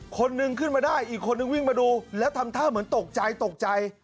คนนึงขึ้นมาได้อีกคนนึงวิ่งมาดูแล้วทำท่าเหมือนตกใจตกใจ